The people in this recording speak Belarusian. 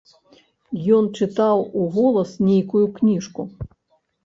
Ён чытаў уголас нейкую кніжку.